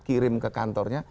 kirim ke kantornya